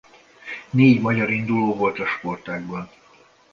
Négy magyar induló volt a sportágban.